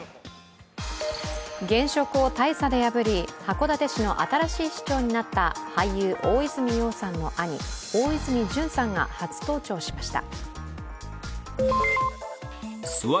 現職を大差で破り、函館市の新しい市長になった俳優・大泉洋さんの兄大泉潤さんが初登庁しました。